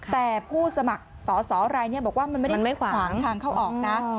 แต่ผู้สมัครสอสอรายนี้บอกว่ามันไม่ได้ขวางทางเข้าออกนะ